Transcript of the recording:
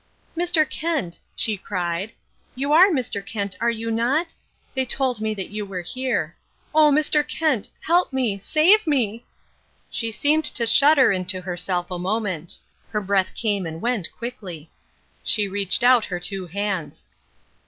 "Mr. Kent," she cried, "you are Mr. Kent, are you not? They told me that you were here. Oh, Mr. Kent, help me, save me!" She seemed to shudder into herself a moment. Her breath came and went quickly. She reached out her two hands.